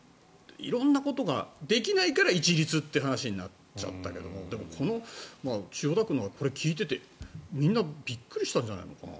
色々ことができないから一律という話になっちゃったけどこの千代田区のは聞いていてみんなびっくりしたんじゃないかな。